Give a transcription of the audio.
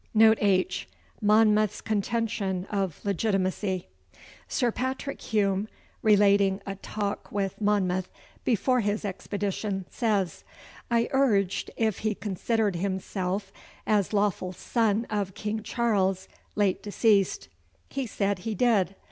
Note H. Monmouth's Contention of Legitimacy. Sir Patrick Hume, relating a talk with Monmouth before his expedition, says: 'I urged if he considered himself as lawful son of King Charles, late deceased. He said he did.